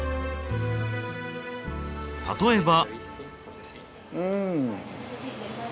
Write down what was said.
例えば。